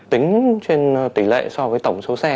tính trên tỷ lệ so với tổng số xe